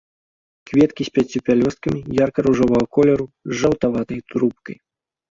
Кветкі з пяццю пялёсткамі, ярка-ружовага колеру з жаўтаватай трубкай.